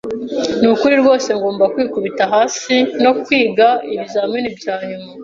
Nukuri rwose ngomba kwikubita hasi no kwiga ibizamini byanyuma.